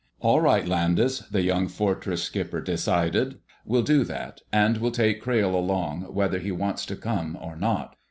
"All right, Landis," the young Fortress skipper decided. "We'll do that. And we'll take Crayle along whether he wants to come or not.